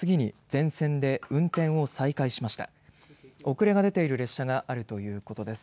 遅れが出ている列車があるということです。